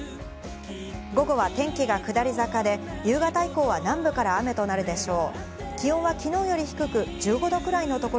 午後は天気が下り坂で、夕方以降は南部から雨となるでしょう。